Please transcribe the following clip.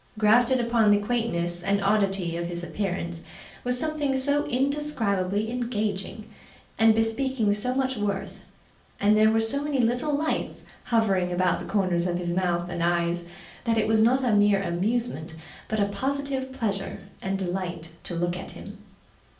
Grafted upon the quaintness and oddity of his appearance, was something so indescribably engaging, and bespeaking so much worth, and there were so many little lights hovering about the corners of his mouth and eyes, that it was not a mere amusement, but a positive pleasure and delight to look at him.